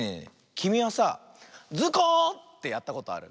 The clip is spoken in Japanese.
きみはさあ「ズコ！」ってやったことある？